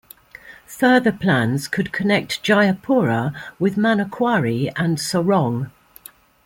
Further plans could connect Jayapura with Manokwari and Sorong.